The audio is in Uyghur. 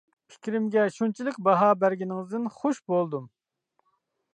پىكرىمگە شۇنچىلىك باھا بەرگىنىڭىزدىن خۇش بولدۇم.